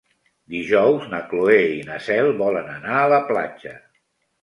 Dijous na Cloè i na Cel volen anar a la platja.